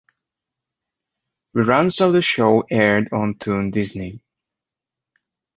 Reruns of the show aired on Toon Disney.